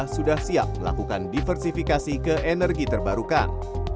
sudah siap melakukan diversifikasi ke energi terbarukan